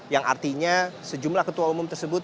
yang artinya sejumlah ketua umum tersebut